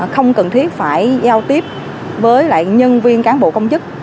không cần thiết phải giao tiếp với lại nhân viên cán bộ công chức